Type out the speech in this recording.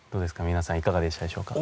皆さんいかがでしたでしょうか？